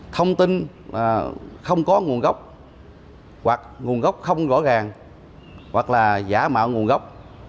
thông tin không có nguồn gốc hoặc nguồn gốc không rõ ràng hoặc là giả mạo nguồn gốc